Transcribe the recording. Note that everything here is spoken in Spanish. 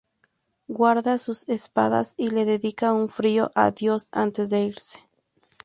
Guarda sus espadas y le dedica un frío "adiós" antes de irse.